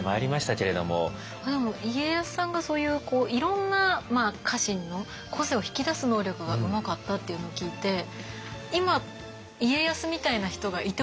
でも家康さんがそういうこういろんな家臣の個性を引き出す能力がうまかったっていうのを聞いて今家康みたいな人がいてほしいって思いました。